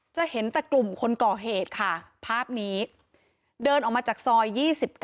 จะเห็นแต่กลุ่มคนก่อเหตุค่ะภาพนี้เดินออกมาจากซอย๒๙